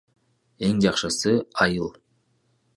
Эң жакшысы — айыл.